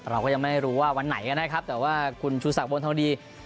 เราก็ยังไม่รู้ว่าวันไหนนะครับแต่ว่าคุณชูศักดิบนทองดี